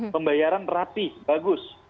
pembayaran rapi bagus